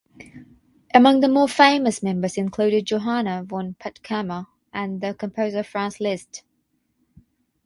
Among the more famous members included Johanna von Puttkamer and the composer Franz Liszt.